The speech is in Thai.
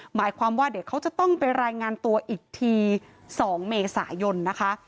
หมายความว่าเดี๋ยวเขาจะต้องไปรายงานตัวอีกที๒เมษายนนะคะ